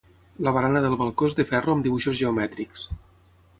La barana del balcó és de ferro amb dibuixos geomètrics.